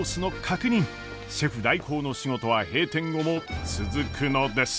シェフ代行の仕事は閉店後も続くのです。